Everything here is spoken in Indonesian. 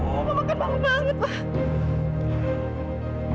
oh pak makan malam banget pak